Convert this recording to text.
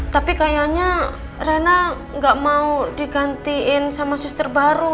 tapi kayaknya reyna nggak mau digantiin sama suster baru